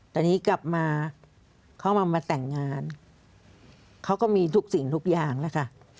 ตอนนี้กลับมาเขามาแต่งงานเขาก็มีทุกสิ่งทุกอย่างแล้วค่ะ